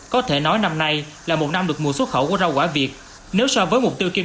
có thể nói năm nay là một năm được mùa xuất khẩu của rau quả việt nếu so với mục tiêu kiêm